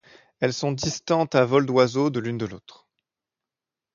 Elles sont distantes, à vol d'oiseau, de l'une de l'autre.